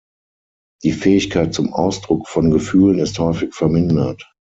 Die Fähigkeit zum Ausdruck von Gefühlen ist häufig vermindert.